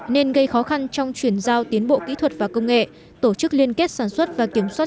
nên gây khó khăn trong chuyển giao tiến bộ kỹ thuật và công nghệ tổ chức liên kết sản xuất và kiểm soát